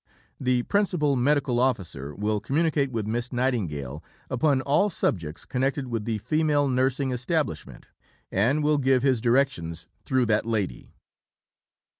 The Principal Medical Officer will communicate with Miss Nightingale upon all subjects connected with the Female Nursing Establishment, and will give his directions through that lady."